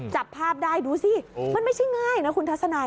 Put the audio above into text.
จับภาพได้ดูสิมันไม่ใช่ง่ายนะคุณทัศนาย